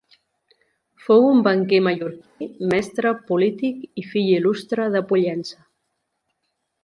Fou un banquer mallorquí, mestre, polític i fill il·lustre de Pollença.